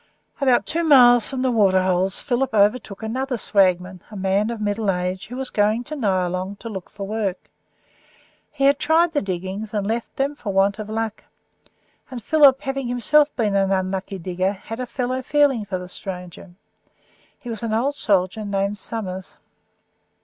About two miles from the Waterholes Philip overtook another swagman, a man of middle age, who was going to Nyalong to look for work. He had tried the diggings, and left them for want of luck, and Philip, having himself been an unlucky digger, had a fellow feeling for the stranger. He was an old soldier named Summers.